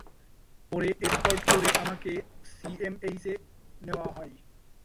পরে এসকর্ট করে আমাকে সিএমএইচে নেওয়া হয়।